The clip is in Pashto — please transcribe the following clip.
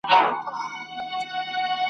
بس ښکارونه وه مېلې وې مهمانۍ وې !.